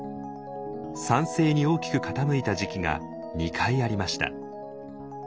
酸性に大きく傾いた時期が２回ありました。